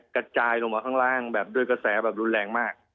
กระจายลงมาข้างล่างแบบด้วยกระแสแบบรุนแรงมาก